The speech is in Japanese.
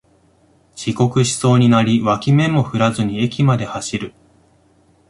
遅刻しそうになり脇目も振らずに駅まで走る